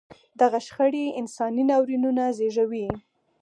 دغه شخړې انساني ناورینونه زېږوي.